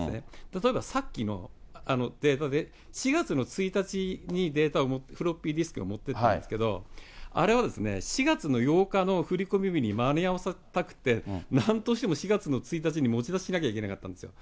例えばさっきのデータで、４月の１日にデータを、フロッピーディスクを持ってったんですけれども、あれは４月の８日の振り込み日に間に合わせたくて、なんとしても４月１日に持ち出ししなきゃいけなかったんですの。